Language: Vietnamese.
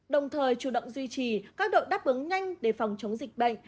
đồng thời chủ động duy trì các đội đáp ứng nhanh để phòng chống dịch bệnh